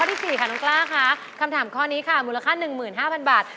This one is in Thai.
ที่คือกำถามข้อที่๔ข้ามูลค่า๑๕๐๐๐บาท